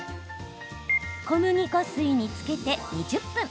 小麦粉水につけて２０分。